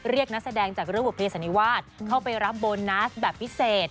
เรียกนักแสดงจากเรื่องบุเภสันนิวาสเข้าไปรับโบนัสแบบพิเศษ